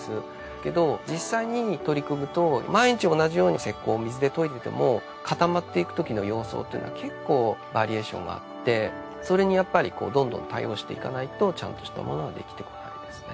けど実際に取り組むと毎日同じように石膏を水で溶いてても固まっていくときの様相っていうのは結構バリエーションがあってそれにやっぱりこうどんどん対応していかないとちゃんとしたものは出来てこないですね。